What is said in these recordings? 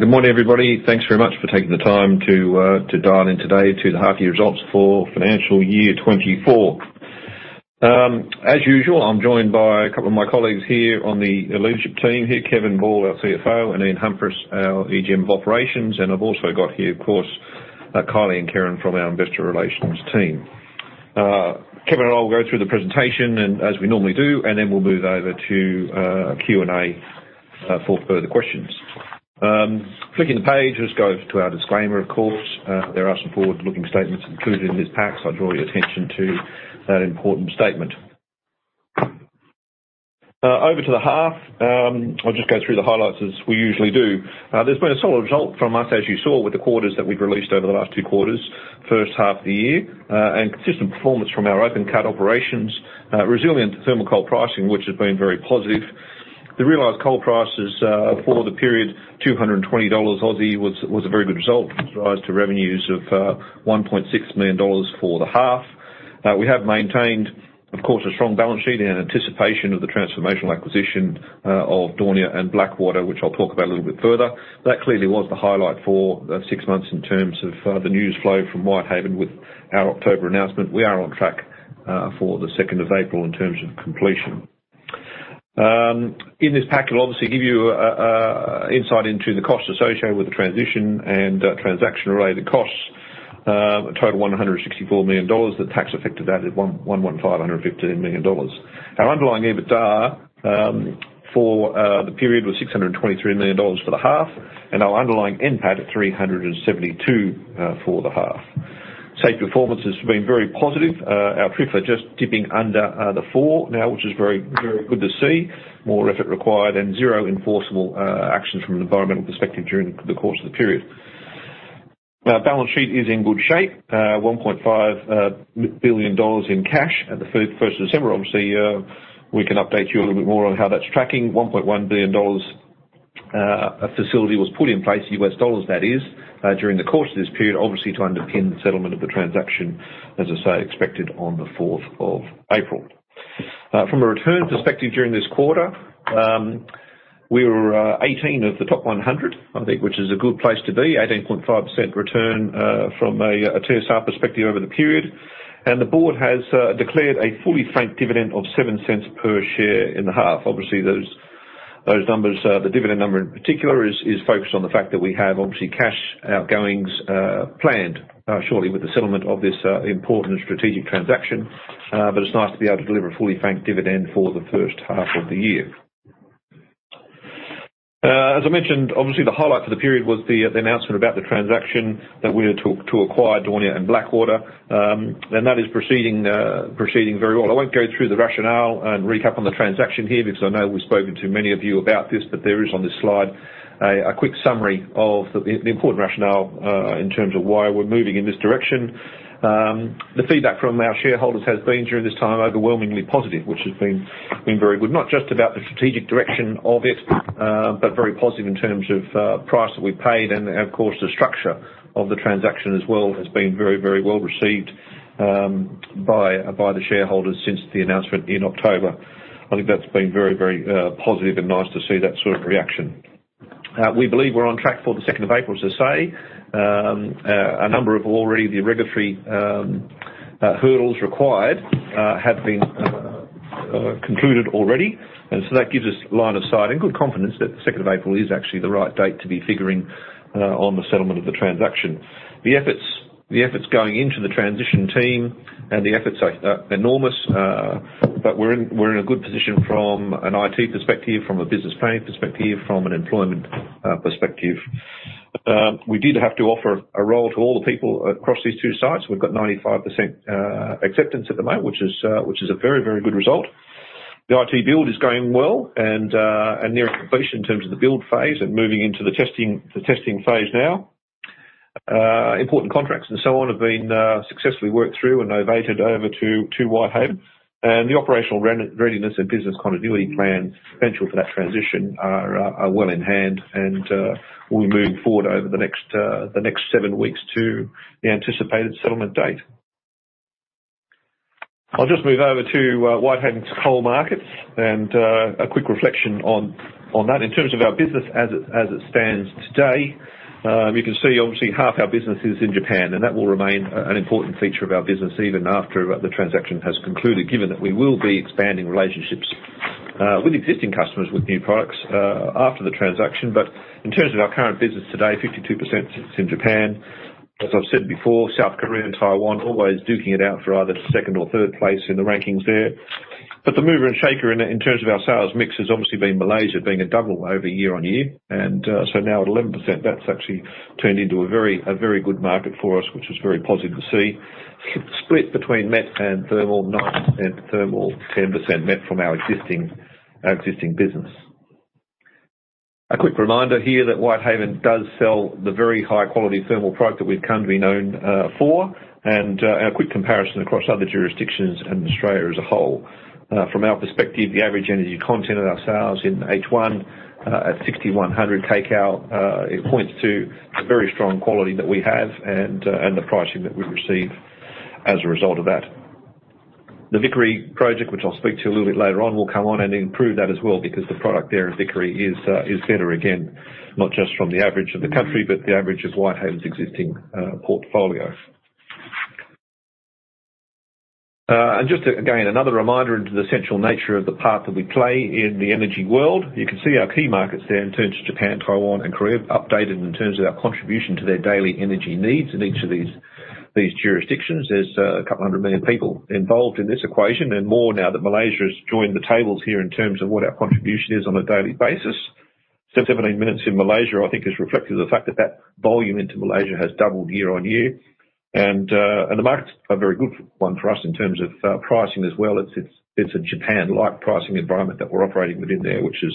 Good morning, everybody. Good morning, everybody. Thanks very much for taking the time to dial in today to the half year results for financial year 2024. As usual, I'm joined by a couple of my colleagues here on the leadership team here, Kevin Ball, our CFO, and Ian Humphris, our EGM of Operations. I've also got here, of course, Kylie and Karen from our investor relations team. Kevin and I will go through the presentation and as we normally do, and then we'll move over to Q&A for further questions. Clicking the page, let's go to our disclaimer, of course. There are some forward-looking statements included in this pack, so I draw your attention to that important statement. Over to the half. I'll just go through the highlights as we usually do. There's been a solid result from us, as you saw, with the quarters that we've released over the last two quarters, first half of the year, and consistent performance from our open cut operations. Resilient thermal coal pricing, which has been very positive. The realized coal prices for the period, 220 Aussie dollars, was a very good result as regards to revenues of 1.6 million dollars for the half. We have maintained, of course, a strong balance sheet in anticipation of the transformational acquisition of Daunia and Blackwater, which I'll talk about a little bit further. That clearly was the highlight for the six months in terms of the news flow from Whitehaven. With our October announcement, we are on track for the second of April in terms of completion. In this pack, it'll obviously give you a insight into the costs associated with the transition and transaction-related costs. A total of 164 million dollars. The tax effect of that is 111.5 million dollars. Our underlying EBITDA for the period was 623 million dollars for the half, and our underlying NPAT 372 for the half. Safety performance has been very positive. Our TRIFR just dipping under the 4 now, which is very, very good to see. More effort required and zero enforceable actions from an environmental perspective during the course of the period. Our balance sheet is in good shape, 1.5 billion dollars in cash at the first of December. Obviously, we can update you a little bit more on how that's tracking. $1.1 billion facility was put in place, U.S. dollars that is, during the course of this period, obviously to underpin the settlement of the transaction, as I say, expected on the fourth of April. From a return perspective, during this quarter, we were 18 of the top 100, I think, which is a good place to be. 18.5 return from a TSR perspective over the period. And the board has declared a fully franked dividend of 0.07 per share in the half. Obviously, those numbers, the dividend number in particular, is focused on the fact that we have, obviously, cash outgoings planned shortly with the settlement of this important strategic transaction. But it's nice to be able to deliver a fully franked dividend for the first half of the year. As I mentioned, obviously, the highlight for the period was the announcement about the transaction that we are to acquire Daunia and Blackwater. And that is proceeding very well. I won't go through the rationale and recap on the transaction here because I know we've spoken to many of you about this, but there is, on this slide, a quick summary of the important rationale in terms of why we're moving in this direction. The feedback from our shareholders has been, during this time, overwhelmingly positive, which has been very good, not just about the strategic direction of it, but very positive in terms of price that we paid. And, of course, the structure of the transaction as well has been very, very well received by the shareholders since the announcement in October. I think that's been very, very positive and nice to see that sort of reaction. We believe we're on track for the second of April, as I say. A number of the regulatory hurdles required have been concluded already. And so that gives us line of sight and good confidence that the second of April is actually the right date to be figuring on the settlement of the transaction. The efforts going into the transition team and the efforts are enormous, but we're in a good position from an IT perspective, from a business planning perspective, from an employment perspective. We did have to offer a role to all the people across these two sites. We've got 95% acceptance at the moment, which is a very, very good result. The IT build is going well and near completion in terms of the build phase and moving into the testing, the testing phase now. Important contracts and so on have been successfully worked through and handed over to Whitehaven. And the operational readiness and business continuity plan potential for that transition are well in hand and will be moving forward over the next seven weeks to the anticipated settlement date. I'll just move over to Whitehaven's coal markets and a quick reflection on that. In terms of our business as it stands today, you can see obviously half our business is in Japan, and that will remain an important feature of our business even after the transaction has concluded, given that we will be expanding relationships with existing customers, with new products after the transaction. But in terms of our current business today, 52% sits in Japan. As I've said before, South Korea and Taiwan, always duking it out for either second or third place in the rankings there. But the mover and shaker in terms of our sales mix has obviously been Malaysia, being a double over year-on-year. And so now at 11%, that's actually turned into a very good market for us, which is very positive to see. Split between met and thermal, 9% thermal, 10% met from our existing business. A quick reminder here that Whitehaven does sell the very high-quality thermal product that we've come to be known for, and a quick comparison across other jurisdictions and Australia as a whole. From our perspective, the average energy content of our sales in H1 at 6,100 kcal; it points to the very strong quality that we have and the pricing that we receive as a result of that. The Vickery project, which I'll speak to a little bit later on, will come on and improve that as well, because the product there at Vickery is better again, not just from the average of the country, but the average of Whitehaven's existing portfolio. And just again, another reminder into the central nature of the part that we play in the energy world. You can see our key markets there in terms of Japan, Taiwan, and Korea, updated in terms of our contribution to their daily energy needs in each of these, these jurisdictions. There's a couple of hundred million people involved in this equation, and more now that Malaysia has joined the tables here in terms of what our contribution is on a daily basis. 17 minutes in Malaysia, I think, is reflective of the fact that that volume into Malaysia has doubled year-over-year. And, and the market's a very good one for us in terms of, pricing as well. It's, it's a Japan-like pricing environment that we're operating within there, which is,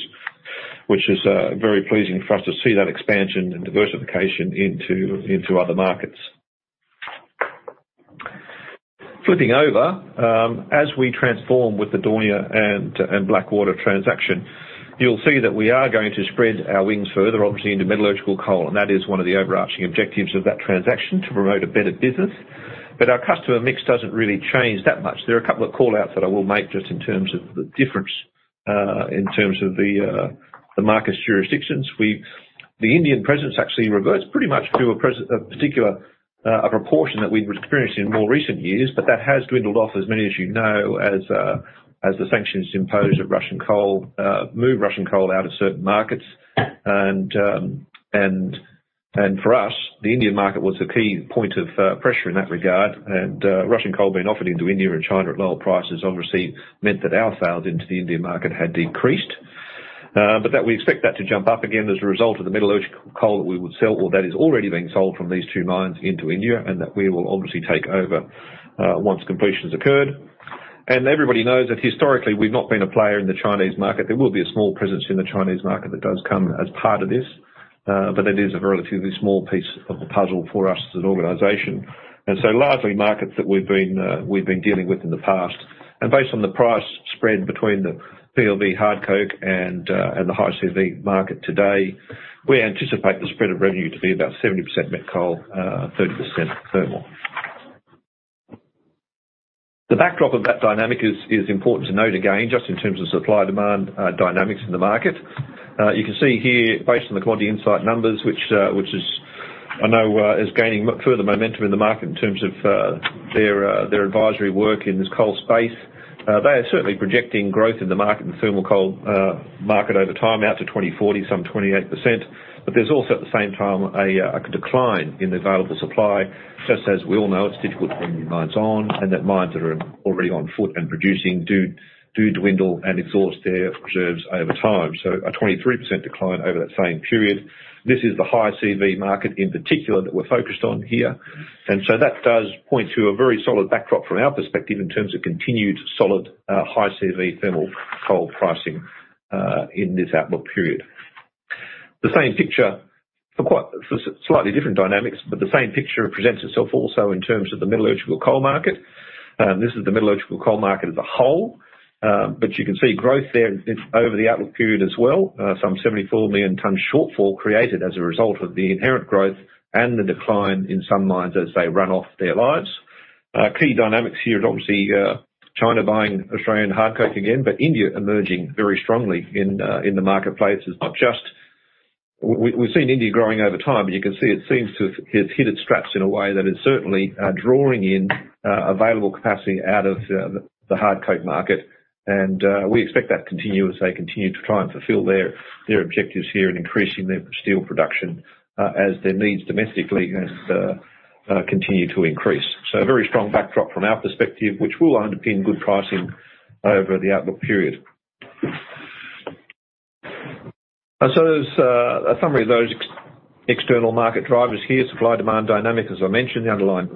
which is very pleasing for us to see that expansion and diversification into, into other markets. Flipping over, as we transform with the Daunia and Blackwater transaction, you'll see that we are going to spread our wings further, obviously, into metallurgical coal, and that is one of the overarching objectives of that transaction, to promote a better business. But our customer mix doesn't really change that much. There are a couple of call-outs that I will make just in terms of the difference, in terms of the market's jurisdictions. The Indian presence actually reverts pretty much to a particular, a proportion that we've experienced in more recent years, but that has dwindled off, as many as you know, as the sanctions imposed at Russian coal moved Russian coal out of certain markets. And, and for us, the Indian market was a key point of pressure in that regard. And Russian coal being offered into India and China at lower prices obviously meant that our sales into the Indian market had decreased. But that we expect that to jump up again as a result of the metallurgical coal that we would sell, or that is already being sold from these two mines into India, and that we will obviously take over once completion has occurred. Everybody knows that historically, we've not been a player in the Chinese market. There will be a small presence in the Chinese market that does come as part of this, but it is a relatively small piece of the puzzle for us as an organization. So largely markets that we've been dealing with in the past. Based on the price spread between the PLV hard coke and the high CV market today, we anticipate the spread of revenue to be about 70% met coal, 30% thermal. The backdrop of that dynamic is important to note, again, just in terms of supply-demand dynamics in the market. You can see here, based on the Commodity Insights numbers, which is, I know, gaining further momentum in the market in terms of their advisory work in this coal space. They are certainly projecting growth in the market, the thermal coal market over time, out to 2040, some 28%. But there's also, at the same time, a decline in the available supply. Just as we all know, it's difficult to bring new mines on, and that mines that are already on foot and producing do dwindle and exhaust their reserves over time. So a 23% decline over that same period. This is the high CV market in particular that we're focused on here. And so that does point to a very solid backdrop from our perspective, in terms of continued solid, high CV thermal coal pricing, in this outlook period. The same picture for slightly different dynamics, but the same picture presents itself also in terms of the metallurgical coal market. This is the metallurgical coal market as a whole, but you can see growth there is over the outlook period as well. Some 74 million tonnes shortfall created as a result of the inherent growth and the decline in some mines as they run off their lives. Key dynamics here is obviously, China buying Australian hard coke again, but India emerging very strongly in the marketplace. It's not just... We've seen India growing over time, but you can see it seems to have hit its straps in a way that is certainly drawing in available capacity out of the hard coking coal market. And we expect that to continue as they continue to try and fulfill their objectives here in increasing their steel production as their needs domestically continue to increase. So a very strong backdrop from our perspective, which will underpin good pricing over the outlook period. And so there's a summary of those external market drivers here. Supply-demand dynamic, as I mentioned, the underlying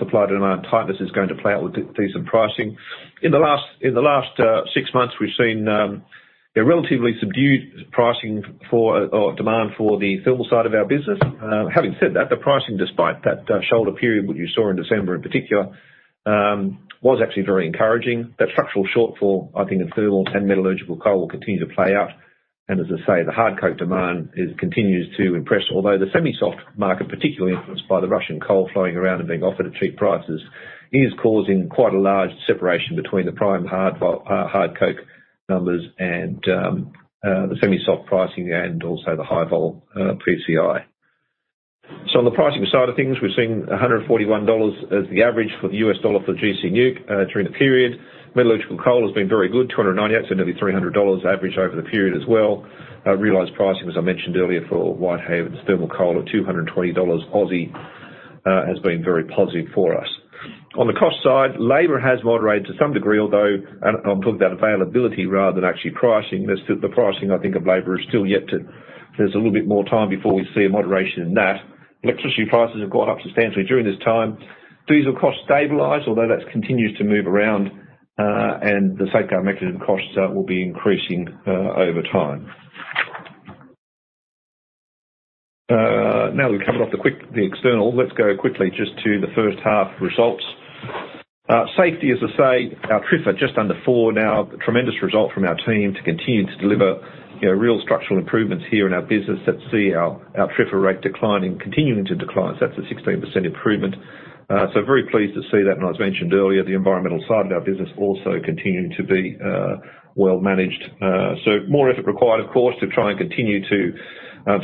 supply-demand tightness is going to play out with decent pricing. In the last six months, we've seen a relatively subdued pricing for or demand for the thermal side of our business. Having said that, the pricing, despite that, shoulder period which you saw in December in particular, was actually very encouraging. That structural shortfall, I think, in thermal and metallurgical coal will continue to play out. And as I say, the hard coking demand continues to impress. Although the semi-soft market, particularly influenced by the Russian coal flowing around and being offered at cheap prices, is causing quite a large separation between the prime hard low-vol hard coking numbers and the semi-soft pricing and also the high-vol PCI. So on the pricing side of things, we're seeing $141 as the average for the U.S. dollar for gC NEWC during the period. Metallurgical coal has been very good, $298, so nearly $300 average over the period as well. Realized pricing, as I mentioned earlier, for Whitehaven's thermal coal of 220 Aussie dollars, has been very positive for us. On the cost side, labor has moderated to some degree, although, and I'm talking about availability rather than actually pricing. The pricing, I think, of labor is still yet to... There's a little bit more time before we see a moderation in that. Electricity prices have gone up substantially during this time. Diesel costs stabilized, although that's continued to move around, and the Safeguard Mechanism costs will be increasing over time. Now that we've covered off the external, let's go quickly just to the first half results. Safety, as I say, our TRIFR just under four now. Tremendous result from our team to continue to deliver, you know, real structural improvements here in our business that see our TRIFR rate declining, continuing to decline. So that's a 16% improvement. So very pleased to see that. And as I mentioned earlier, the environmental side of our business also continuing to be well-managed. So more effort required, of course, to try and continue to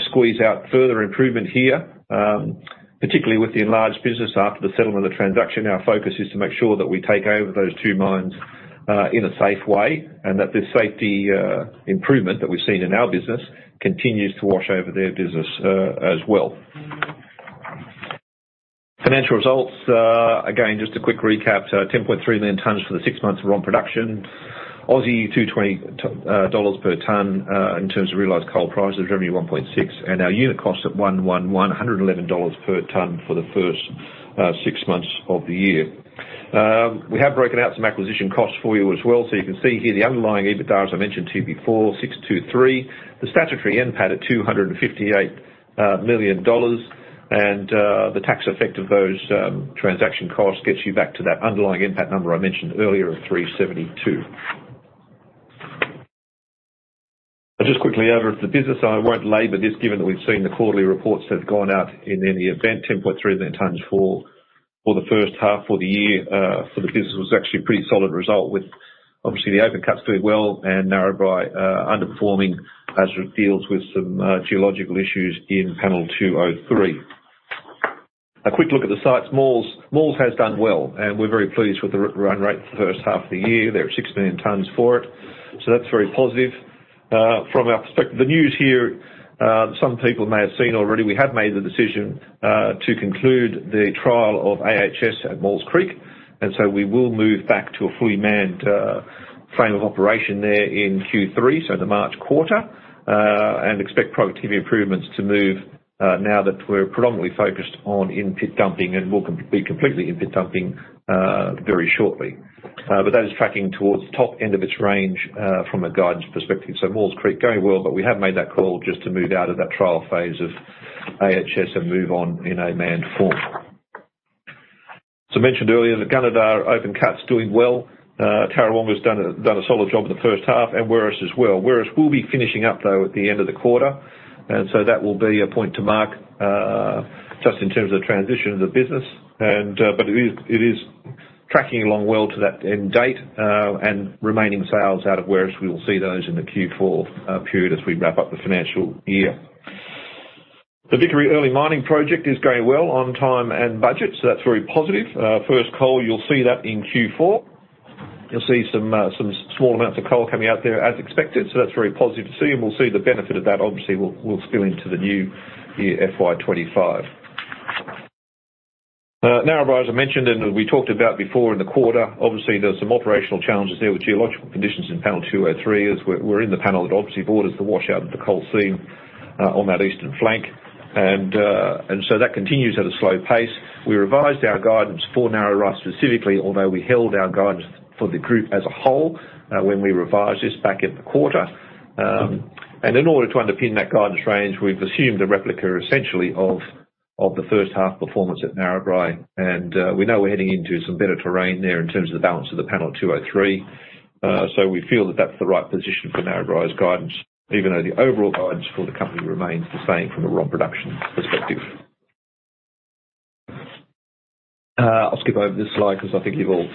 squeeze out further improvement here, particularly with the enlarged business. After the settlement of transaction, our focus is to make sure that we take over those two mines in a safe way, and that the safety improvement that we've seen in our business continues to wash over their business as well. Financial results, again, just a quick recap. 10.3 million tonnes for the six months of raw production. 220 dollars per tonne in terms of realized coal prices, revenue 1.6 billion, and our unit cost at 111 dollars per tonne for the first six months of the year. We have broken out some acquisition costs for you as well. So you can see here the underlying EBITDA, as I mentioned to you before, 623 million. The statutory NPAT at 258 million dollars, and the tax effect of those transaction costs gets you back to that underlying NPAT number I mentioned earlier of 372 million. But just quickly, over at the business, I won't labor this, given that we've seen the quarterly reports that have gone out. In any event, 10.3 million tonnes for the first half of the year for the business was actually a pretty solid result, with obviously the open cuts doing well and Narrabri underperforming as it deals with some geological issues in Panel 203. A quick look at the sites. Maules Creek has done well, and we're very pleased with the run rate for the first half of the year. They're at 6 million tonnes for it, so that's very positive. From our perspective, the news here, some people may have seen already, we have made the decision to conclude the trial of AHS at Maules Creek, and so we will move back to a fully manned frame of operation there in Q3, so the March quarter. And expect productivity improvements to move, now that we're predominantly focused on in-pit dumping and we'll be completely in-pit dumping, very shortly. But that is tracking towards the top end of its range, from a guidance perspective. Maules Creek, going well, but we have made that call just to move out of that trial phase of AHS and move on in a manned form. As I mentioned earlier, the Gunnedah Open Cut's doing well. Tarrawonga's done a solid job in the first half, and Werris as well. Werris will be finishing up, though, at the end of the quarter, and so that will be a point to mark, just in terms of transition of the business. But it is tracking along well to that end date, and remaining sales out of Werris. We will see those in the Q4 period as we wrap up the financial year. The Vickery Early Mining Project is going well, on time and budget, so that's very positive. First coal, you'll see that in Q4. You'll see some small amounts of coal coming out there as expected, so that's very positive to see, and we'll see the benefit of that. Obviously, will spill into the new year, FY 2025. Narrabri, as I mentioned and as we talked about before in the quarter, obviously there were some operational challenges there with geological conditions in Panel 203, as we're in the panel that obviously borders the washout of the coal seam on that eastern flank. And so that continues at a slow pace. We revised our guidance for Narrabri specifically, although we held our guidance for the group as a whole, when we revised this back in the quarter. And in order to underpin that guidance range, we've assumed a replica, essentially, of the first half performance at Narrabri. And we know we're heading into some better terrain there in terms of the balance of the Panel 203. So we feel that that's the right position for Narrabri's guidance, even though the overall guidance for the company remains the same from a raw production perspective. I'll skip over this slide because I think you've all,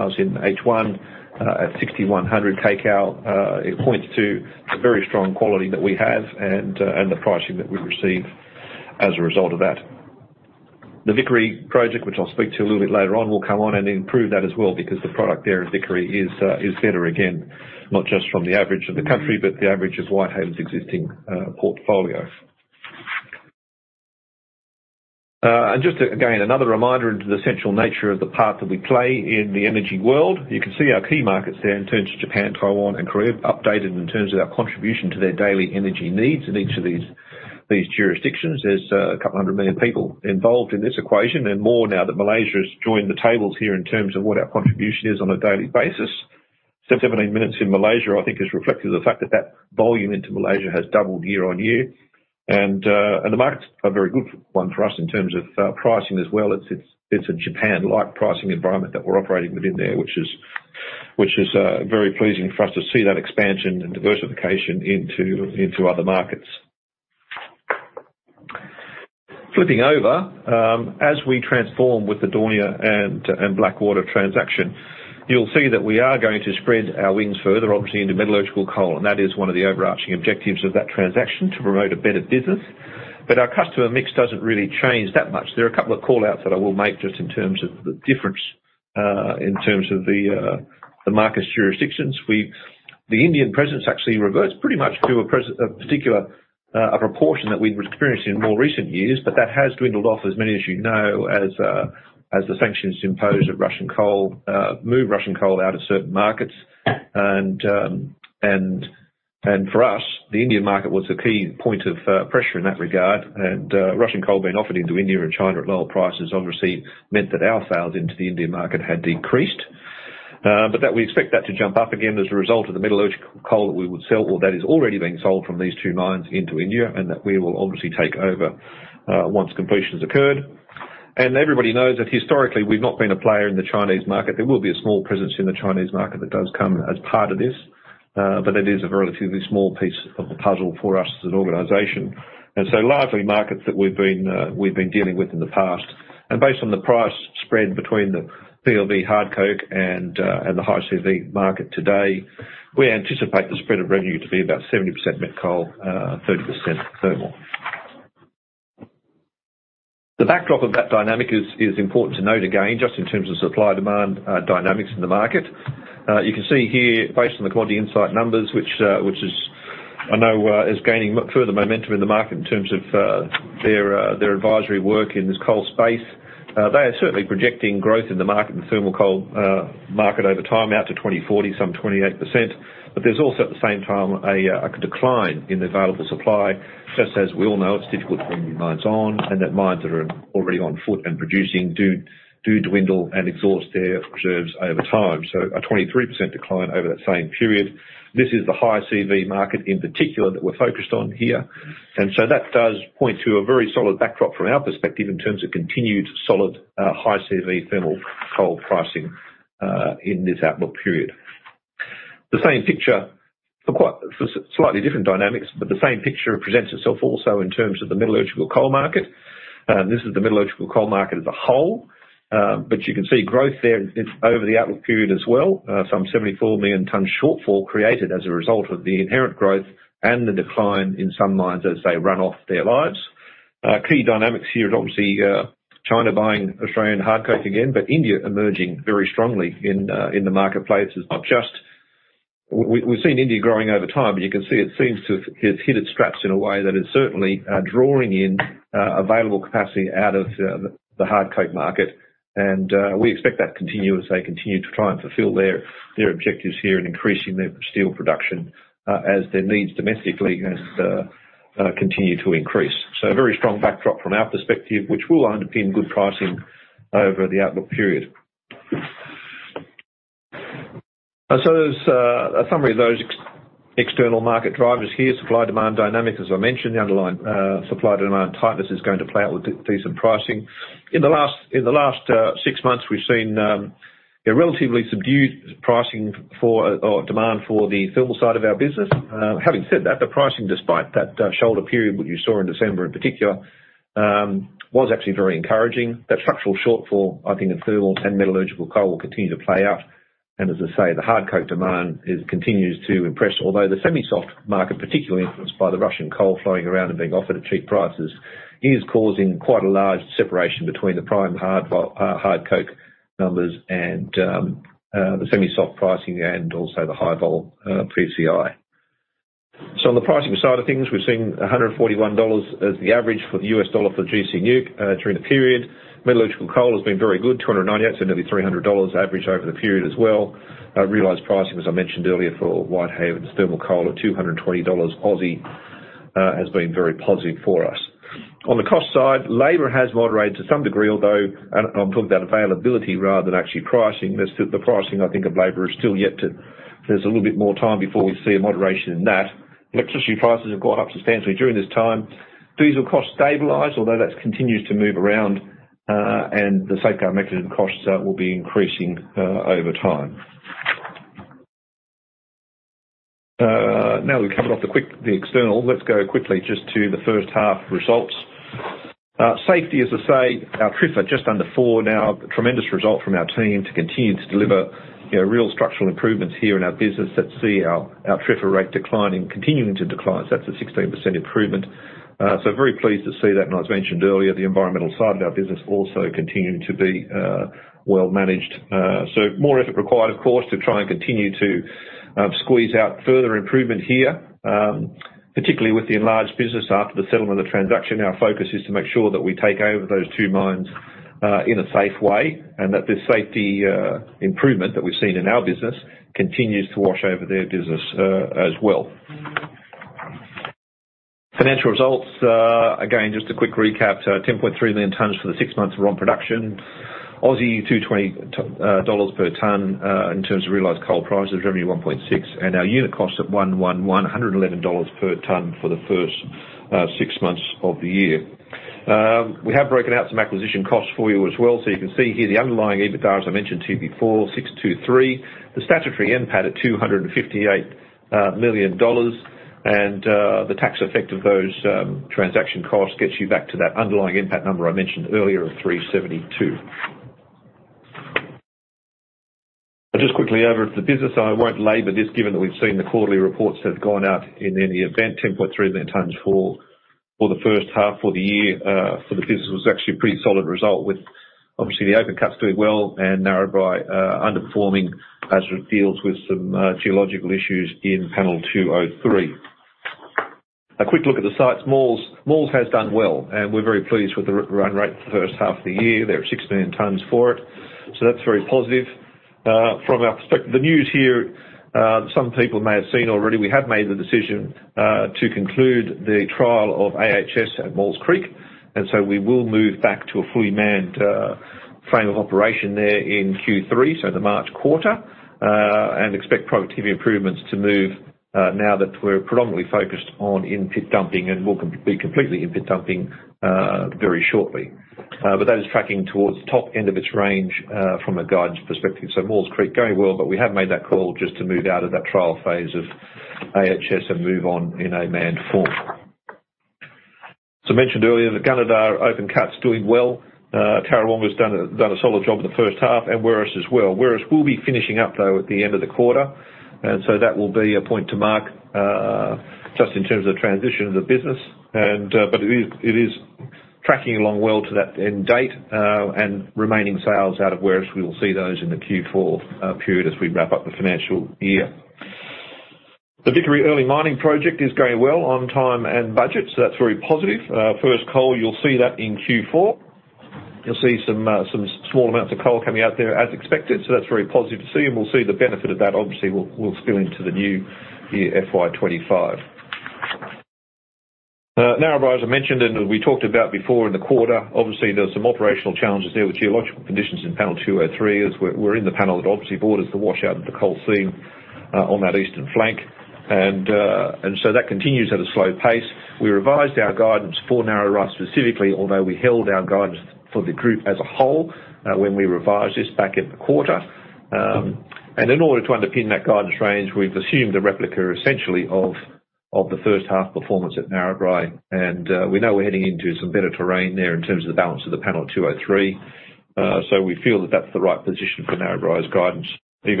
you've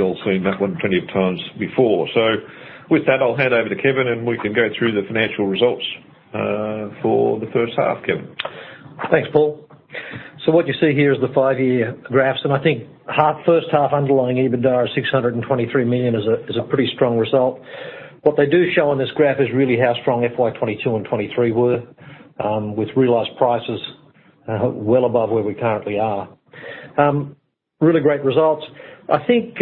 all seen that one plenty of times before. So with that, I'll hand over to Kevin, and we can go through the financial results for the first half. Kevin? Thanks, Paul. So what you see here is the five-year graphs, and I think first half underlying EBITDA of 623 million is a pretty strong result. What they do show on this graph is really how strong FY 2022 and 2023 were, with realized prices well above where we currently are. Really great results. I think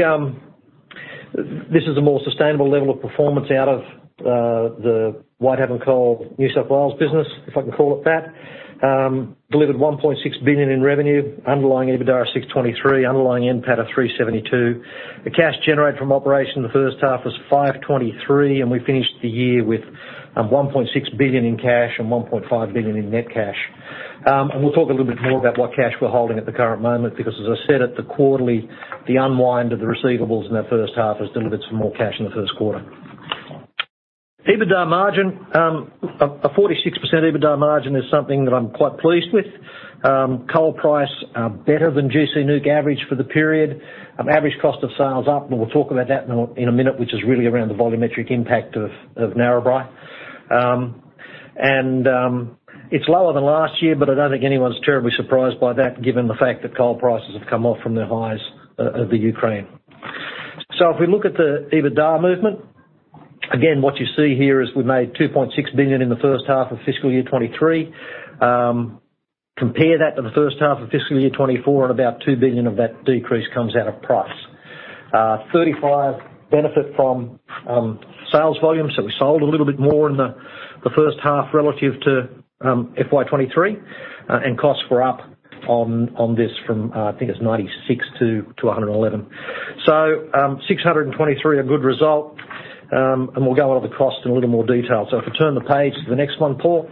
this is a more sustainable level of performance out of the Whitehaven Coal New South Wales business, if I can call it that. Delivered 1.6 billion in revenue, underlying EBITDA of 623 million, underlying NPAT of 372 million. The cash generated from operations in the first half was 523 million, and we finished the year with 1.6 billion in cash and 1.5 billion in net cash. We'll talk a little bit more about what cash we're holding at the current moment, because as I said at the quarterly, the unwind of the receivables in the first half has delivered some more cash in the first quarter. EBITDA margin, a 46% EBITDA margin is something that I'm quite pleased with. Coal price better than gC NEWC average for the period. Average cost of sales up, and we'll talk about that in a minute, which is really around the volumetric impact of Narrabri. It's lower than last year, but I don't think anyone's terribly surprised by that, given the fact that coal prices have come off from the highs of the Ukraine. So if we look at the EBITDA movement, again, what you see here is we made $2.6 billion in the first half of fiscal year 2023. Compare that to the first half of fiscal year 2024, and about $2 billion of that decrease comes out of price. $35 million benefit from sales volume. So we sold a little bit more in the first half relative to FY 2023, and costs were up on this from I think it's $96-$111. So $623 million, a good result, and we'll go over the costs in a little more detail. So if you turn the page to the next one, Paul.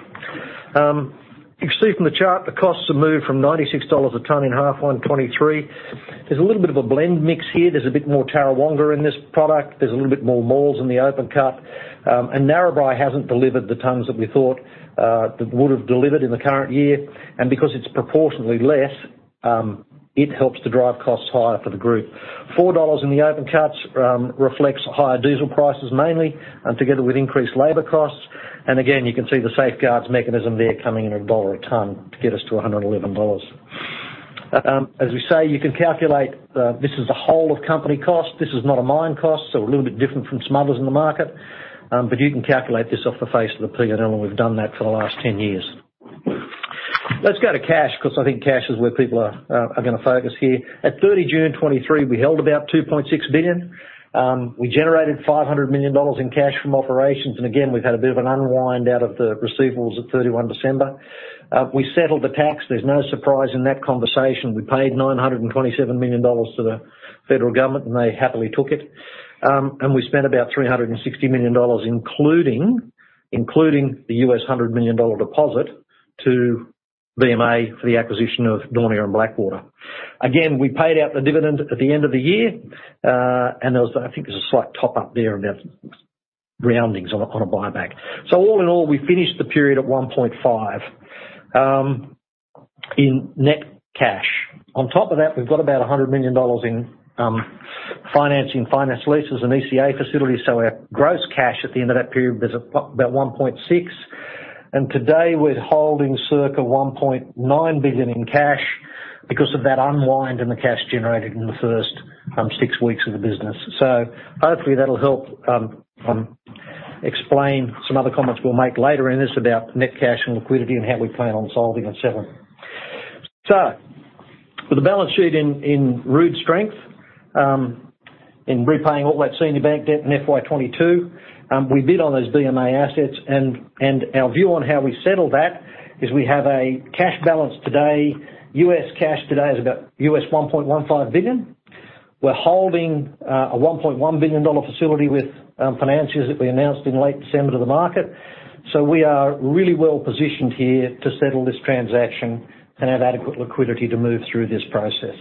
You can see from the chart, the costs have moved from $96 a tonne in half one, 2023. There's a little bit of a blend mix here. There's a bit more Tarrawonga in this product. There's a little bit more Maules in the open cut, and Narrabri hasn't delivered the tonnes that we thought that it would have delivered in the current year, and because it's proportionately less, it helps to drive costs higher for the group. 4 dollars in the open cuts reflects higher diesel prices mainly, and together with increased labor costs, and again, you can see the safeguards mechanism there coming in at AUD 1/tonne to get us to 111 dollars. As we say, you can calculate, this is the whole of company cost. This is not a mine cost, so a little bit different from some others in the market, but you can calculate this off the face of the P&L, and we've done that for the last 10 years. Let's go to cash, because I think cash is where people are gonna focus here. At 30 June 2023, we held about 2.6 billion. We generated 500 million dollars in cash from operations, and again, we've had a bit of an unwind out of the receivables at 31 December. We settled the tax. There's no surprise in that conversation. We paid 927 million dollars to the federal government, and they happily took it. And we spent about 360 million dollars, including the $100 million deposit, to BMA for the acquisition of Daunia and Blackwater. Again, we paid out the dividend at the end of the year, and there was, I think, there was a slight top up there about roundings on a buyback. So all in all, we finished the period at 1.5 billion in net cash. On top of that, we've got about 100 million dollars in financing, finance leases and ECA facilities. So our gross cash at the end of that period was about 1.6 billion, and today we're holding circa 1.9 billion in cash because of that unwind and the cash generated in the first 6 weeks of the business. So hopefully, that'll help explain some other comments we'll make later in this about net cash and liquidity and how we plan on solving et cetera. With the balance sheet in rude health, in repaying all that senior bank debt in FY 2022, we bid on those BMA assets and our view on how we settle that is we have a cash balance today. U.S. cash today is about $1.15 billion. We're holding a $1.1 billion facility with financiers that we announced in late December to the market. So we are really well positioned here to settle this transaction and have adequate liquidity to move through this process.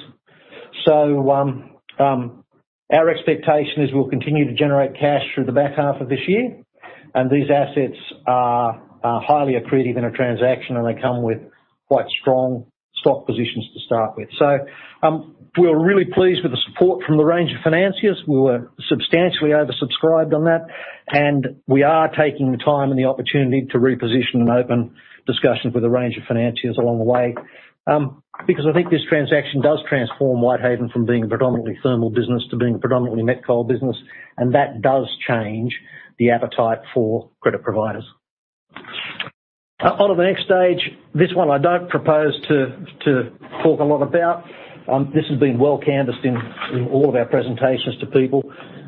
So our expectation is we'll continue to generate cash through the back half of this year, and these assets are highly accretive in a transaction, and they come with quite strong stock positions to start with. So we're really pleased with the support from the range of financiers. We were substantially oversubscribed on that, and we are taking the time and the opportunity to reposition and open discussions with a range of financiers along the way. Because I think this transaction does transform Whitehaven from being a predominantly thermal business to being a predominantly met coal business, and that does change the appetite for credit providers. On to the next stage. This one I don't propose to talk a lot about. This has been well canvassed in all of our presentations to people.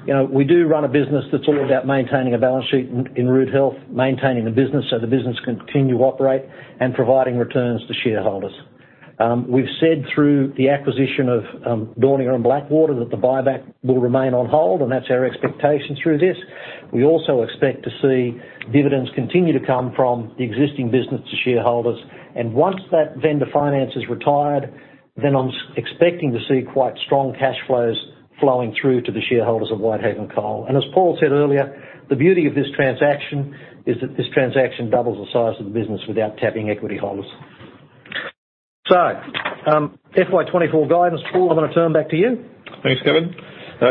You know, we do run a business that's all about maintaining a balance sheet in rude health, maintaining the business so the business can continue to operate, and providing returns to shareholders. We've said through the acquisition of Daunia and Blackwater, that the buyback will remain on hold, and that's our expectation through this. We also expect to see dividends continue to come from the existing business to shareholders, and once that vendor finance is retired, then I'm expecting to see quite strong cash flows flowing through to the shareholders of Whitehaven Coal. And as Paul said earlier, the beauty of this transaction is that this transaction doubles the size of the business without tapping equity holders. So, FY 2024 guidance. Paul, I'm gonna turn back to you. Thanks, Kevin.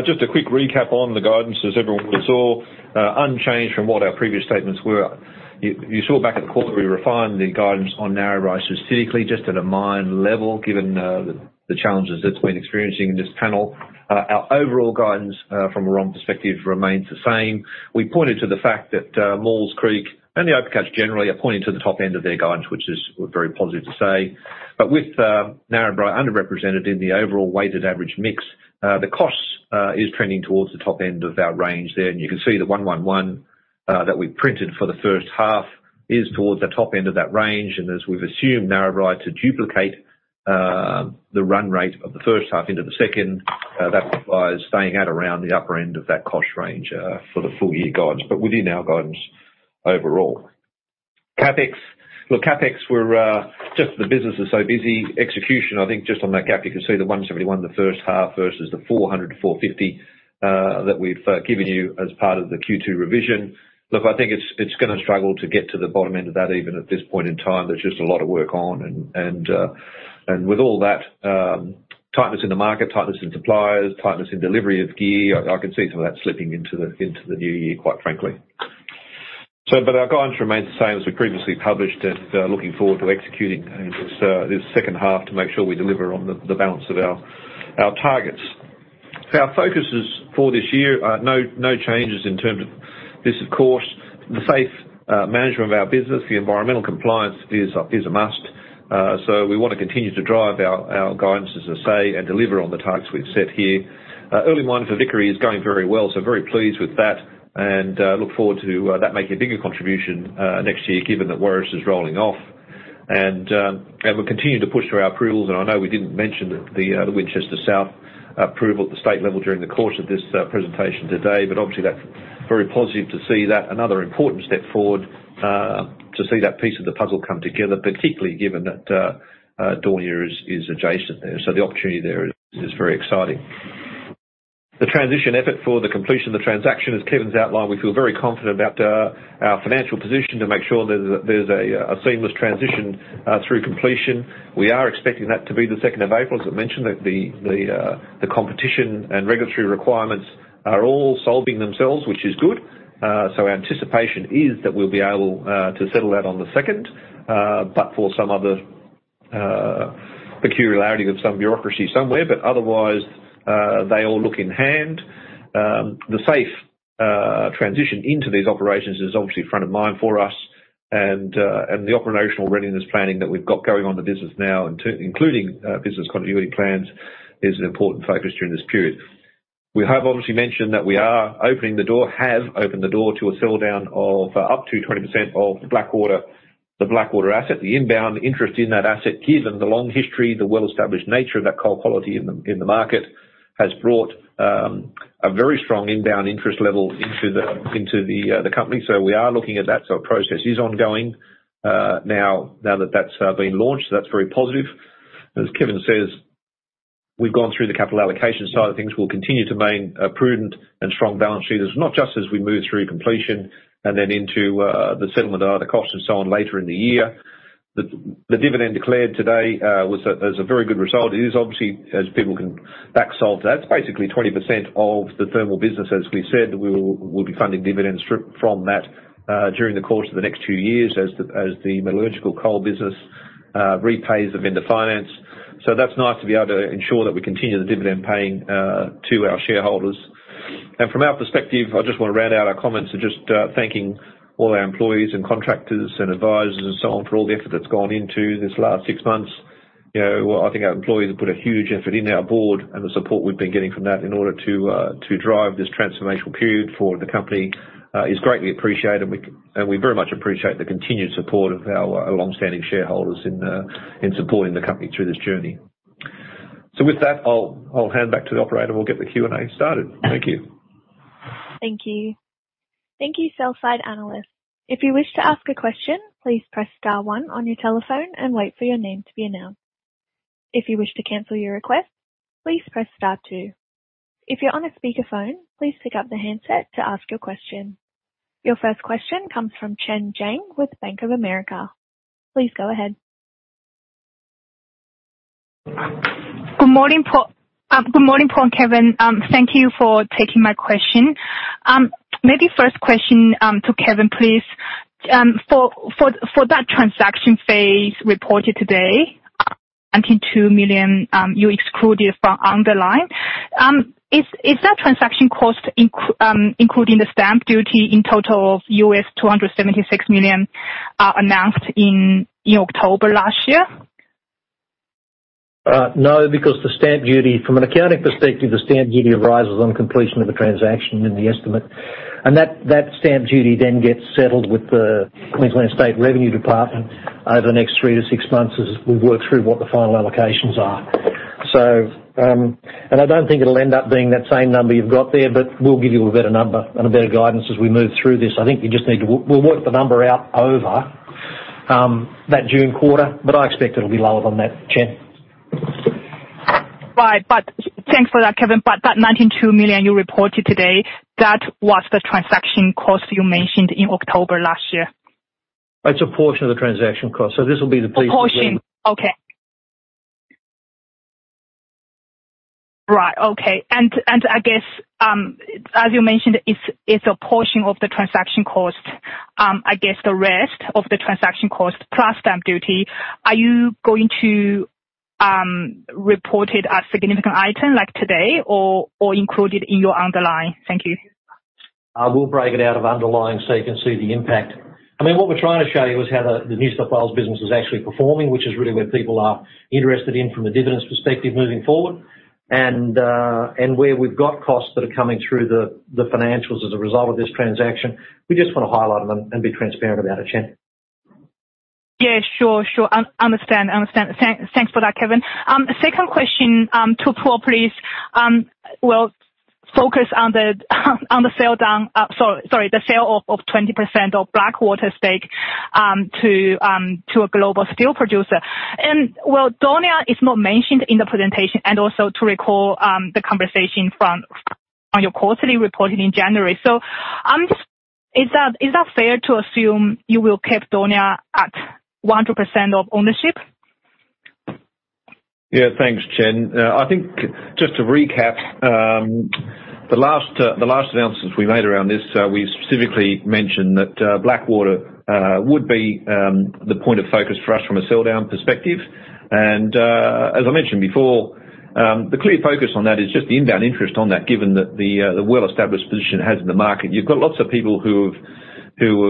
Just a quick recap on the guidance, as everyone saw, unchanged from what our previous statements were. You saw back at the quarter, we refined the guidance on Narrabri specifically, just at a mine level, given the challenges that we've been experiencing in this panel. Our overall guidance, from a ROM perspective, remains the same. We pointed to the fact that, Maules Creek and the Opencast generally are pointing to the top end of their guidance, which is very positive to say. But with, Narrabri underrepresented in the overall weighted average mix, the cost is trending towards the top end of that range there. And you can see the 111 that we printed for the first half is towards the top end of that range. As we've assumed Narrabri to duplicate the run rate of the first half into the second, that is staying at around the upper end of that cost range for the full year guides, but within our guidance overall. CapEx. Well, CapEx, we're just the business is so busy. Execution, I think just on that cap, you can see the 171 the first half versus the 400-450 that we've given you as part of the Q2 revision. Look, I think it's gonna struggle to get to the bottom end of that, even at this point in time. There's just a lot of work on, with all that tightness in the market, tightness in suppliers, tightness in delivery of gear. I can see some of that slipping into the new year, quite frankly. So, but our guidance remains the same as we previously published, and looking forward to executing this second half to make sure we deliver on the balance of our targets. Our focuses for this year, no changes in terms of this, of course, the safe management of our business, the environmental compliance is a must. So we want to continue to drive our guidance, as I say, and deliver on the targets we've set here. Early works for Vickery is going very well, so very pleased with that and look forward to that making a bigger contribution next year, given that Werris is rolling off. And we'll continue to push for our approvals. And I know we didn't mention the Winchester South approval at the state level during the course of this presentation today, but obviously, that's very positive to see that. Another important step forward to see that piece of the puzzle come together, particularly given that Daunia is adjacent there. So the opportunity there is very exciting. The transition effort for the completion of the transaction, as Kevin's outlined, we feel very confident about our financial position to make sure there's a seamless transition through completion. We are expecting that to be the second of April. As I mentioned, the competition and regulatory requirements are all solving themselves, which is good. So our anticipation is that we'll be able to settle that on the second, but for some other peculiarity of some bureaucracy somewhere, but otherwise, they all look in hand. The safe transition into these operations is obviously front of mind for us, and the operational readiness planning that we've got going on in the business now, including business continuity plans, is an important focus during this period. We have obviously mentioned that we are opening the door, have opened the door to a sell down of up to 20% of Blackwater, the Blackwater asset. The inbound interest in that asset, given the long history, the well-established nature of that coal quality in the market, has brought a very strong inbound interest level into the company. So we are looking at that. So process is ongoing, now that that's been launched, so that's very positive. As Kevin says, we've gone through the capital allocation side of things. We'll continue to maintain a prudent and strong balance sheet as, not just as we move through completion and then into the settlement, the costs and so on later in the year. The dividend declared today was a very good result. It is obviously, as people can back solve that, it's basically 20% of the thermal business. As we said, we'll be funding dividends from that during the course of the next two years as the metallurgical coal business repays the vendor finance. So that's nice to be able to ensure that we continue the dividend paying to our shareholders. And from our perspective, I just want to round out our comments and just thanking all our employees and contractors and advisors and so on, for all the effort that's gone into this last six months. You know, I think our employees have put a huge effort in, our board, and the support we've been getting from that in order to drive this transformational period for the company is greatly appreciated, and we, and we very much appreciate the continued support of our, our long-standing shareholders in, in supporting the company through this journey. With that, I'll hand back to the operator. We'll get the Q&A started. Thank you. Thank you. Thank you, sell side analysts. If you wish to ask a question, please press star one on your telephone and wait for your name to be announced. If you wish to cancel your request, please press star two. If you're on a speakerphone, please pick up the handset to ask your question. Your first question comes from Chen Jiang with Bank of America. Please go ahead. Good morning, Paul. Good morning, Paul and Kevin. Thank you for taking my question. Maybe first question to Kevin, please. For that transaction phase reported today, $92 million, you excluded from underlying. Is that transaction cost including the stamp duty in total of $276 million, announced in October last year? No, because the stamp duty, from an accounting perspective, the stamp duty arises on completion of the transaction in the estimate. And that, that stamp duty then gets settled with the Queensland State Revenue Department over the next three to six months, as we work through what the final allocations are. So, and I don't think it'll end up being that same number you've got there, but we'll give you a better number and a better guidance as we move through this. I think you just need to, we'll work the number out over, that June quarter, but I expect it'll be lower than that, Chen. Right. Thanks for that, Kevin. That 92 million you reported today, that was the transaction cost you mentioned in October last year? It's a portion of the transaction cost, so this will be the piece- A portion. Okay. Right. Okay. And, and I guess, as you mentioned, it's, it's a portion of the transaction cost. I guess the rest of the transaction cost, plus stamp duty, are you going to report it as significant item like today or, or include it in your underlying? Thank you. We'll break it out of underlying so you can see the impact. I mean, what we're trying to show you is how the New South Wales business is actually performing, which is really where people are interested in from a dividends perspective moving forward. And where we've got costs that are coming through the financials as a result of this transaction, we just want to highlight them and be transparent about it, Chen. Yeah, sure, sure. Understand. I understand. Thank, thanks for that, Kevin. Second question, to Paul, please. Well, focus on the, on the sell down, sorry, sorry, the sale of, of 20% of Blackwater stake, to, to a global steel producer. And, well, Daunia is not mentioned in the presentation and also to recall, the conversation from, on your quarterly reporting in January. So, is that, is that fair to assume you will keep Daunia at 100% of ownership? Yeah. Thanks, Chen. I think just to recap, the last announcements we made around this, we specifically mentioned that Blackwater would be the point of focus for us from a sell down perspective. And as I mentioned before, the clear focus on that is just the inbound interest on that, given that the well-established position it has in the market. You've got lots of people who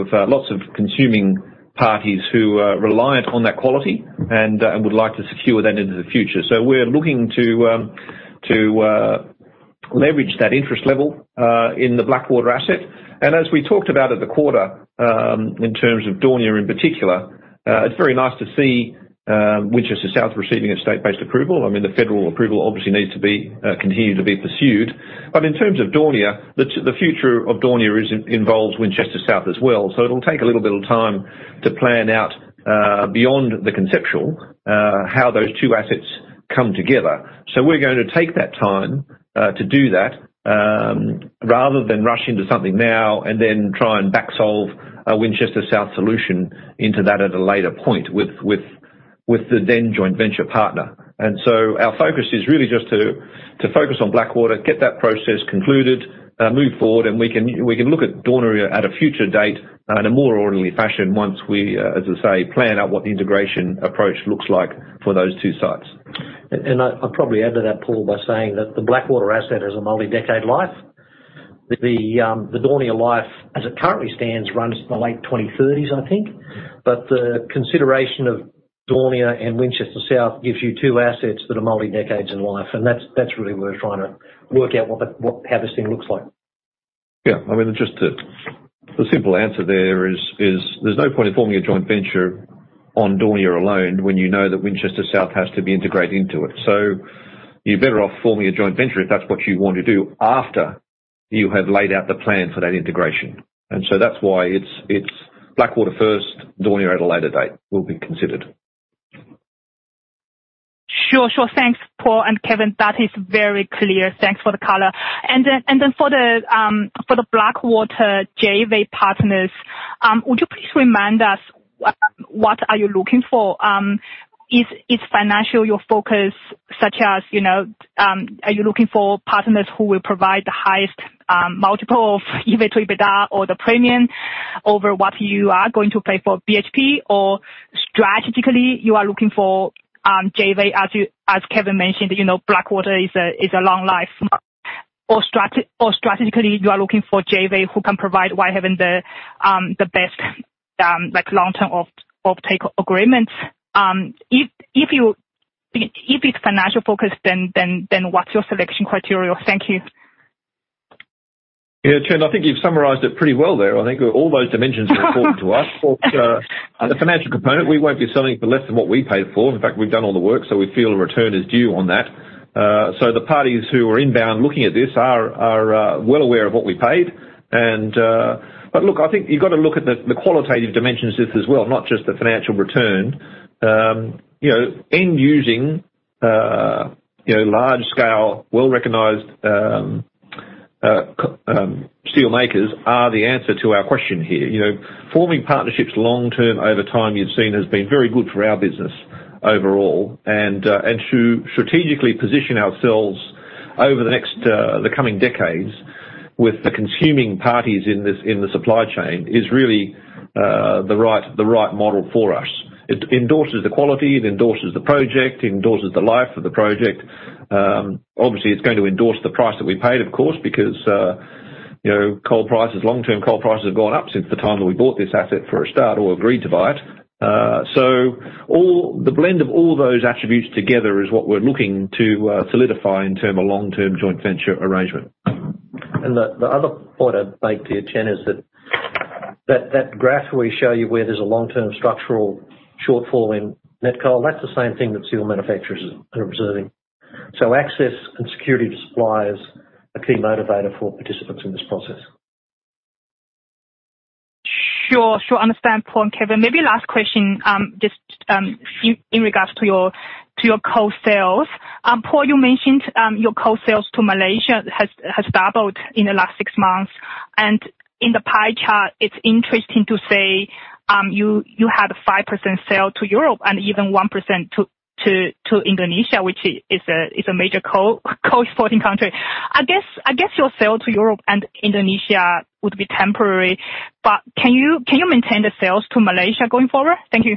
have lots of consuming parties who are reliant on that quality and would like to secure that into the future. So we're looking to leverage that interest level in the Blackwater asset. And as we talked about at the quarter, in terms of Daunia in particular, it's very nice to see Winchester South receiving a state-based approval. I mean, the federal approval obviously needs to be continued to be pursued. But in terms of Daunia, the future of Daunia involves Winchester South as well. So it'll take a little bit of time to plan out beyond the conceptual how those two assets come together. So we're going to take that time to do that rather than rush into something now and then try and back solve a Winchester South solution into that at a later point with the then joint venture partner. So our focus is really just to focus on Blackwater, get that process concluded, move forward, and we can look at Daunia at a future date, in a more orderly fashion once we, as I say, plan out what the integration approach looks like for those two sites. I'd probably add to that, Paul, by saying that the Blackwater asset has a multi-decade life. The, the Daunia life, as it currently stands, runs to the late 2030s, I think. But the consideration of Daunia and Winchester South gives you two assets that are multi-decades in life, and that's really what we're trying to work out, what, how this thing looks like.... Yeah, I mean, just the simple answer there is, there's no point in forming a joint venture on Daunia alone when you know that Winchester South has to be integrated into it. So you're better off forming a joint venture if that's what you want to do after you have laid out the plan for that integration. And so that's why it's Blackwater first, Daunia at a later date will be considered. Sure. Sure. Thanks, Paul and Kevin. That is very clear. Thanks for the color. And then for the Blackwater JV partners, would you please remind us what are you looking for? Is financial your focus, such as, you know, are you looking for partners who will provide the highest multiple of EBITDA or the premium over what you are going to pay for BHP? Or strategically, you are looking for JV, as Kevin mentioned, you know, Blackwater is a long life. Or strategically, you are looking for JV who can provide Whitehaven the best, like, long-term offtake agreements. If it's financial focus, then what's your selection criteria? Thank you. Yeah, Chen, I think you've summarized it pretty well there. I think all those dimensions are important to us. The financial component, we won't be selling for less than what we paid for. In fact, we've done all the work, so we feel a return is due on that. So the parties who are inbound looking at this are well aware of what we paid. And, but look, I think you've got to look at the qualitative dimensions of this as well, not just the financial return. You know, and using large scale, well-recognized steelmakers are the answer to our question here. You know, forming partnerships long term, over time, you've seen, has been very good for our business overall. And to strategically position ourselves over the next, the coming decades with the consuming parties in this, in the supply chain, is really the right, the right model for us. It endorses the quality, it endorses the project, it endorses the life of the project. Obviously, it's going to endorse the price that we paid, of course, because, you know, coal prices, long-term coal prices, have gone up since the time that we bought this asset for a start or agreed to buy it. So all, the blend of all those attributes together is what we're looking to solidify in terms of a long-term joint venture arrangement. The other point I'd make to you, Chen, is that graph we show you where there's a long-term structural shortfall in met coal, that's the same thing that steel manufacturers are observing. So access and security of supply is a key motivator for participants in this process. Sure, sure. Understand, Paul and Kevin. Maybe last question, just, in regards to your coal sales. Paul, you mentioned, your coal sales to Malaysia has doubled in the last six months. And in the pie chart, it's interesting to see, you had a 5% sale to Europe and even 1% to Indonesia, which is a major coal exporting country. I guess your sale to Europe and Indonesia would be temporary, but can you maintain the sales to Malaysia going forward? Thank you.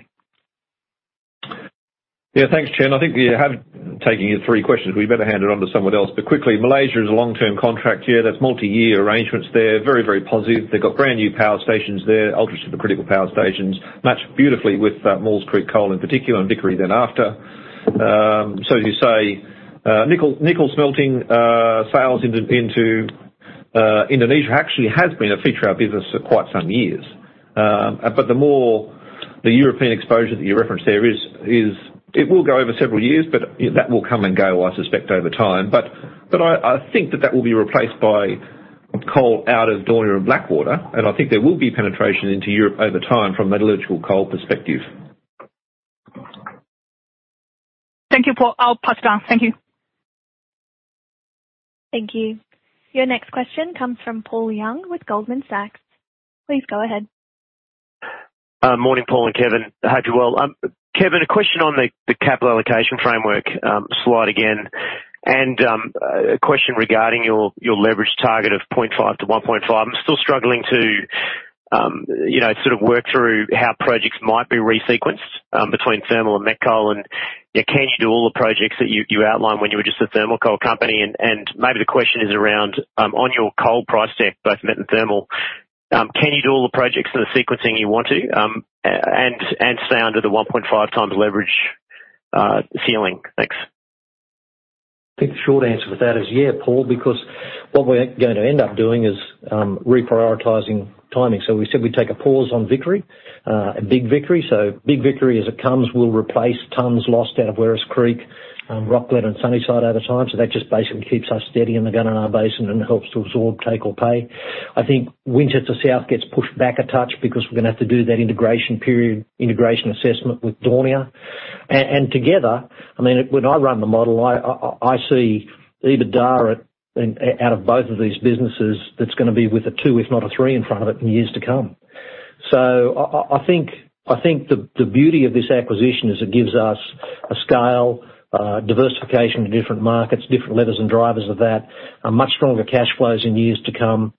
Yeah. Thanks, Chen. I think you have taken your three questions. We better hand it on to someone else. But quickly, Malaysia is a long-term contract year. There's multi-year arrangements there. Very, very positive. They've got brand-new power stations there, ultra-supercritical power stations, match beautifully with Maules Creek Coal in particular, and Vickery then after. So as you say, nickel, nickel smelting, sales into, into Indonesia actually has been a feature of our business for quite some years. But the more the European exposure that you referenced there is, is it will go over several years, but that will come and go, I suspect, over time. But, but I, I think that that will be replaced by coal out of Daunia and Blackwater, and I think there will be penetration into Europe over time from a metallurgical coal perspective. Thank you, Paul. I'll pass it down. Thank you. Thank you. Your next question comes from Paul Young with Goldman Sachs. Please go ahead. Morning, Paul and Kevin. Hope you're well. Kevin, a question on the capital allocation framework slide again, and a question regarding your leverage target of 0.5-1.5. I'm still struggling to, you know, sort of work through how projects might be resequenced between thermal and met coal. And, yeah, can you do all the projects that you outlined when you were just a thermal coal company? And maybe the question is around on your coal price deck, both met and thermal, can you do all the projects and the sequencing you want to and stay under the 1.5x leverage ceiling? Thanks. I think the short answer to that is yeah, Paul, because what we're going to end up doing is reprioritizing timing. So we said we'd take a pause on Vickery, Big Vickery. So Big Vickery, as it comes, will replace tonnes lost out of Werris Creek, Rocglen and Sunnyside over time. So that just basically keeps us steady in the Gunnedah Basin and helps to absorb take-or-pay. I think Winchester South gets pushed back a touch because we're gonna have to do that integration period, integration assessment with Daunia. And together, I mean, when I run the model, I see EBITDA out of both of these businesses, that's gonna be with a two, if not a three in front of it in years to come. So I think the beauty of this acquisition is it gives us a scale, diversification to different markets, different levers and drivers of that, a much stronger cash flows in years to come,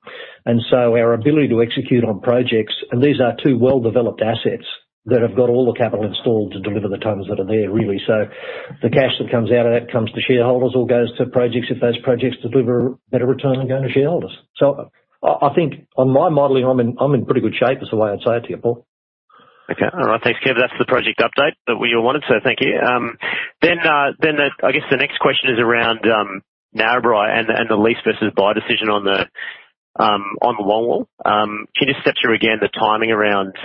and so our ability to execute on projects, and these are two well-developed assets that have got all the capital installed to deliver the tonnes that are there, really. So the cash that comes out of that comes to shareholders or goes to projects, if those projects deliver a better return than going to shareholders. So I think on my modeling, I'm in pretty good shape, is the way I'd say it to you, Paul. Okay. All right. Thanks, Kevin. That's the project update that we all wanted, so thank you. Then, I guess the next question is around Narrabri and the lease versus buy decision on the longwall. Can you just step through again the timing around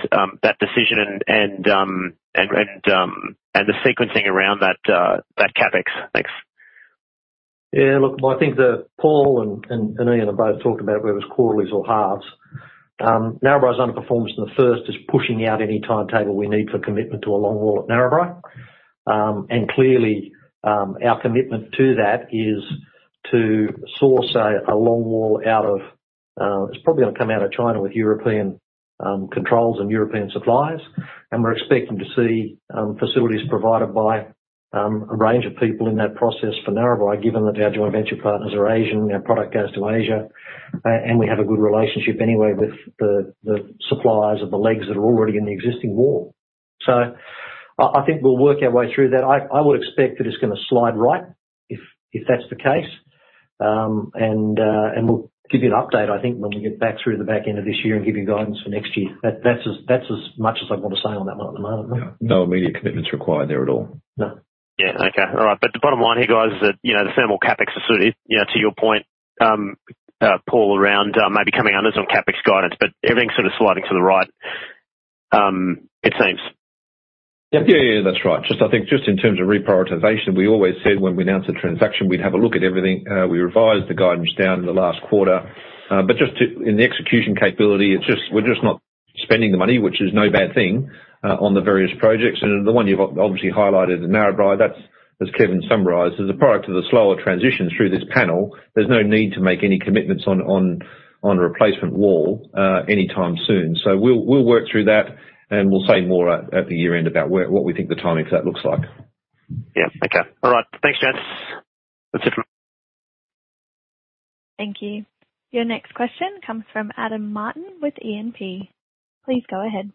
that decision and the sequencing around that CapEx? Thanks. Yeah, look, I think that Paul and Ian have both talked about whether it's quarterlies or halves. Narrabri's underperformance in the first is pushing out any timetable we need for commitment to a longwall at Narrabri. And clearly, our commitment to that is to source a longwall out of, it's probably gonna come out of China with European controls and European suppliers. And we're expecting to see facilities provided by a range of people in that process for Narrabri, given that our joint venture partners are Asian, our product goes to Asia, and we have a good relationship anyway with the suppliers of the legs that are already in the existing wall. So I think we'll work our way through that. I would expect that it's gonna slide right, if that's the case. We'll give you an update, I think, when we get back through the back end of this year and give you guidance for next year. That's as much as I want to say on that one at the moment. Yeah. No immediate commitments required there at all? No. Yeah. Okay. All right. But the bottom line here, guys, is that, you know, the thermal CapEx are suited, you know, to your point, Paul, around, maybe coming under some CapEx guidance, but everything's sort of sliding to the right, it seems. Yeah. Yeah, yeah, that's right. Just I think just in terms of reprioritization, we always said when we announced the transaction, we'd have a look at everything. We revised the guidance down in the last quarter. But just to... in the execution capability, it's just, we're just not spending the money, which is no bad thing, on the various projects. And the one you've obviously highlighted, the Narrabri, that's as Kevin summarized, as a product of the slower transitions through this panel, there's no need to make any commitments on, on, on a replacement wall, anytime soon. So we'll, we'll work through that, and we'll say more at, at the year end about where, what we think the timing for that looks like. Yeah. Okay. All right. Thanks, gents. That's it. Thank you. Your next question comes from Adam Martin with E&P. Please go ahead.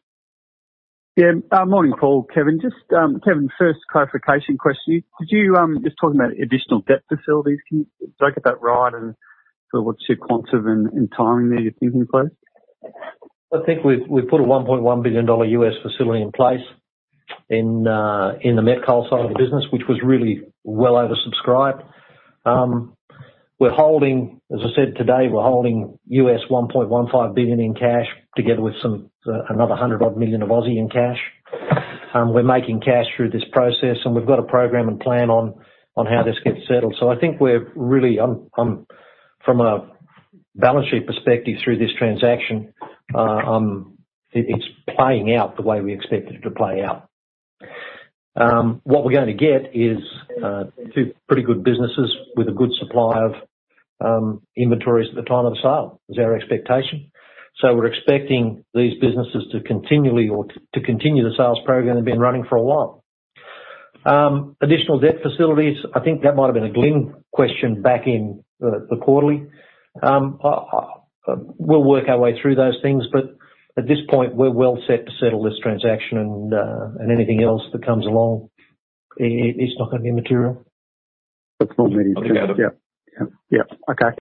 Yeah. Morning, Paul, Kevin. Just, Kevin, first, clarification question: Could you, just talking about additional debt facilities, can you... Did I get that right, and sort of what's your quantum and, and timing there you're thinking, please? I think we've put a $1.1 billion U.S. facility in place in the met coal side of the business, which was really well oversubscribed. We're holding, as I said today, $1.15 billion in cash, together with some another 100-odd million in cash. We're making cash through this process, and we've got a program and plan on how this gets settled. So I think we're really, I'm from a balance sheet perspective through this transaction, it's playing out the way we expected it to play out. What we're going to get is two pretty good businesses with a good supply of inventories at the time of the sale, is our expectation. We're expecting these businesses to continually or to continue the sales program they've been running for a while. Additional debt facilities, I think that might have been a client question back in the quarterly. We'll work our way through those things, but at this point, we're well set to settle this transaction, and anything else that comes along, it's not gonna be material. It's not gonna be. Yeah. Yeah. Okay.